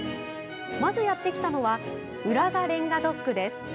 まずやってきたのは浦賀レンガドックです。